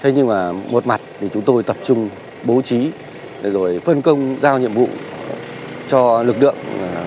nhưng mà một mặt thì chúng tôi tập trung bố trí rồi phân công giao nhiệm vụ cho lực lượng